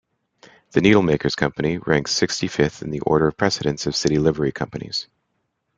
The Needlemakers' Company ranks sixty-fifth in the order of precedence of City Livery Companies.